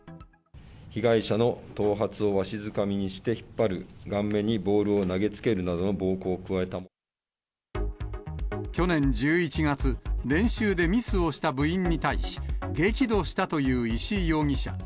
被害者の頭髪をわしづかみにして引っ張る、顔面にボールを投去年１１月、練習でミスをした部員に対し、激怒したという石井容疑者。